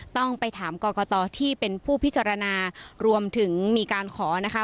ต้องไปถามกรกตที่เป็นผู้พิจารณารวมถึงมีการขอนะคะ